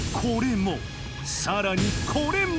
さらにこれも！